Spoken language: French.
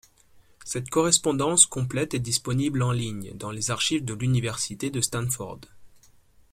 Cette correspondance complète est disponible en ligne, dans les archives de l’Université Stanford.